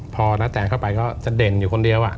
พอณแตเข้าไปก็จะเด่นอยู่คนเดียว